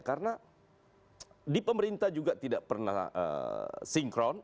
karena di pemerintah juga tidak pernah sinkron